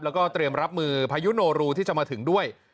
แล้วก็เตรียมรับมือพายุโนรูที่จะมาถึงด้วย